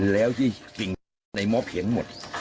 แล้วที่สิ่งในม็อบเพียงหมด